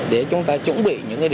để chúng ta chuẩn bị những điểm thi